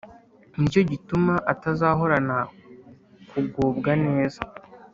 ni cyo gituma atazahorana kugubwa neza